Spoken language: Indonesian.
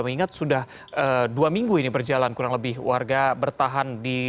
mengingat sudah dua minggu ini berjalan kurang lebih warga bertahan di